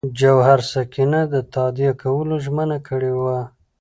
جواهر سینګه د تادیه کولو ژمنه کړې وه.